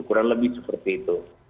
kurang lebih seperti itu